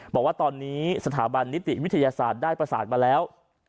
บอกว่าตอนนี้สถาบันนิติวิทยาศาสตร์ได้ประสานมาแล้ว